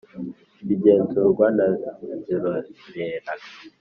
Bigenzurwa na Nzirorera